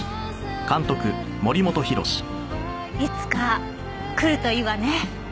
いつか来るといいわね。